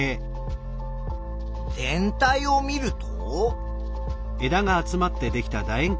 全体を見ると。